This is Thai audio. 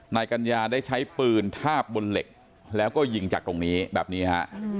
นายกัญญาได้ใช้ปืนทาบบนเหล็กแล้วก็ยิงจากตรงนี้แบบนี้ฮะ